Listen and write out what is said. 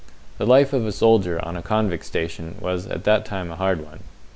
The life of a soldier on a convict station was at that time a hard one.